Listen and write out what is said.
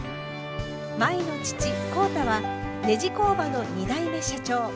舞の父浩太はネジ工場の２代目社長。